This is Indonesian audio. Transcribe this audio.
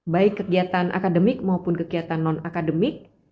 baik kegiatan akademik maupun kegiatan non akademik